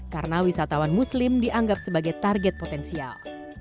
karena wisatawan muslim dianggap sebagai target potensial